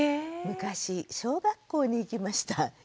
「昔小学校に行きました。